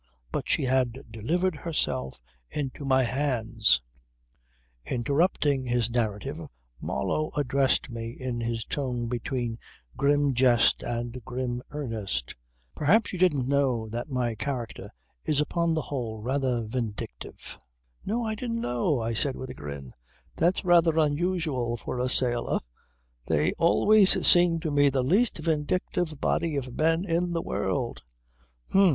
But she had delivered herself into my hands ..." Interrupting his narrative Marlow addressed me in his tone between grim jest and grim earnest: "Perhaps you didn't know that my character is upon the whole rather vindictive." "No, I didn't know," I said with a grin. "That's rather unusual for a sailor. They always seemed to me the least vindictive body of men in the world."